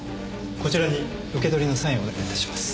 こちらに受け取りのサインをお願いいたします。